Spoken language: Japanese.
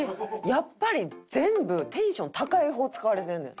やっぱり全部テンション高い方使われてんねん。